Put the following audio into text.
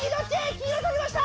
黄色取りました！